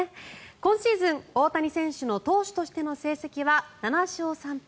今シーズン、大谷選手の投手としての成績は７勝３敗。